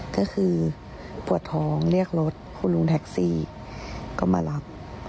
ก็คือปวดท้องเรียกรถคุณลุงแท็กซี่ก็มารับ